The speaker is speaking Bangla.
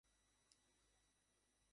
আমাকে বাধ্য করবেন না, প্লিজ।